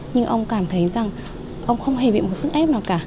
nhưng ông cảm thấy rằng ông không hề bị một sức ép nào cả